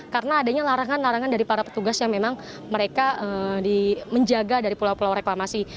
karena adanya larangan larangan dari para petugas yang memang mereka menjaga dari pulau pulau reklamasi